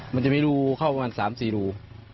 มันจะมีดูเข้ามาบน๓๔ครู่